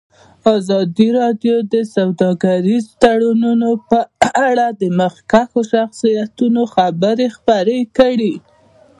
ازادي راډیو د سوداګریز تړونونه په اړه د مخکښو شخصیتونو خبرې خپرې کړي.